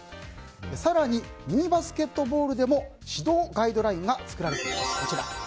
更に、ミニバスケットボールでも指導ガイドラインが作られています。